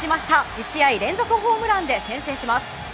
２試合連続ホームランで先制します。